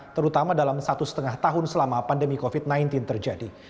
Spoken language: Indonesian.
terutama dalam satu setengah tahun selama pandemi covid sembilan belas terjadi